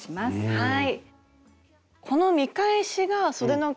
はい。